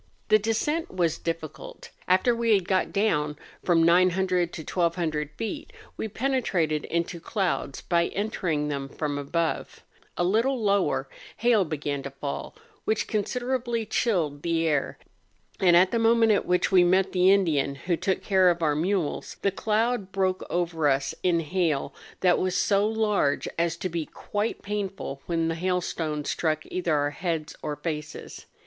The descent was difficult. After we had got down from 900 to 1200 feet, we penetrated into clouds, by entering them from above : a little lower, hail began to fall, which considerably chilled the air, and at the moment at which we met the Indian who took care of our mules, the cloud broke over us in hail that was so large as to be quite painful when the hailstones struck either our heads or faces.